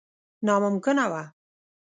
ناممکنه وه.